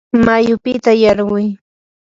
mayupita yarquy.